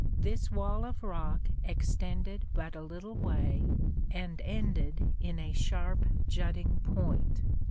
This wall of rock extended but a little way, and ended in a sharp jutting point.